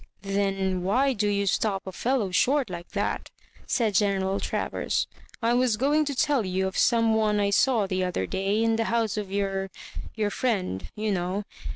" Then why do you stop a fellow short like that?^ said General Travers; "I was going to tell you of some one I saw the other day in the house of your — ^your friend, you know.